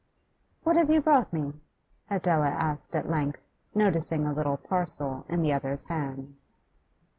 'What have you brought me?' Adela asked at length, noticing a little parcel in the other's hand.